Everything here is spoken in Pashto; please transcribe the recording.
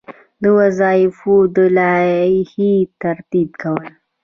د وظایفو د لایحې ترتیب کول.